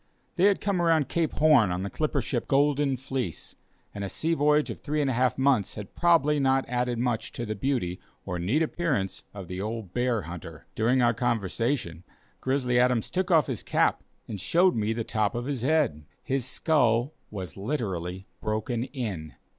They had come around Cape Horn on the clipper ship "Golden Fleece," and a sea voyage of three and a half months had probably not added much to the beauty or neat appearance of [Illustration: GRIZZLY ADAMS AND HIS FAMILY.] the old bear hunter. During our conversation, Grizzly Adams took off his cap, and showed me the top of his head. His skull was literally broken in.